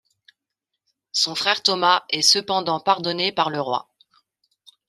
Son frère Thomas est cependant pardonné par le roi.